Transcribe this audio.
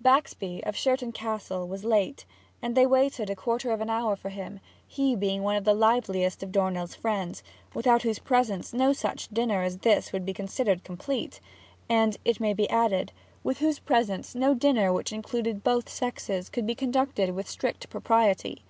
Baxby of Sherton Castle was late, and they waited a quarter of an hour for him, he being one of the liveliest of Dornell's friends; without whose presence no such dinner as this would be considered complete, and, it may be added, with whose presence no dinner which included both sexes could be conducted with strict propriety.